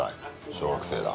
小学生だ。